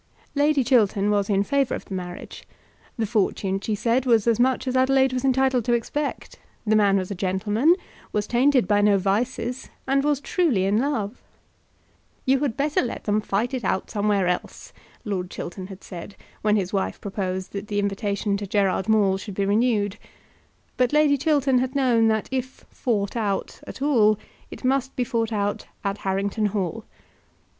Lady Chiltern was in favour of the marriage. The fortune, she said, was as much as Adelaide was entitled to expect, the man was a gentleman, was tainted by no vices, and was truly in love. "You had better let them fight it out somewhere else," Lord Chiltern had said when his wife proposed that the invitation to Gerard Maule should be renewed; but Lady Chiltern had known that if "fought out" at all, it must be fought out at Harrington Hall.